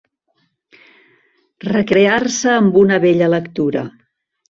Recrear-se amb una bella lectura.